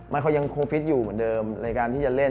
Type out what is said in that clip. มันเขายังคงฟิตอยู่เหมือนเดิมในการที่จะเล่น